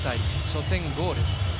初戦でゴール。